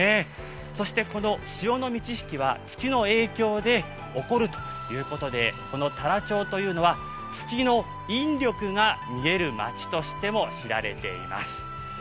そしてこの潮の満ち引きは月の影響で起こるということでこの太良町というのは月の引力が見える町としても知られています。